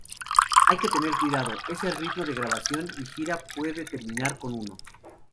Hay que tener cuidado: ese ritmo de grabación y gira puede terminar con uno.